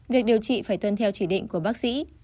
việc điều trị phải tuân theo chỉ định của bác sĩ